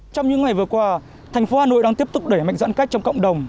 trong những ngày vừa qua thành phố hà nội đang tiếp tục đẩy mạnh giãn cách trong cộng đồng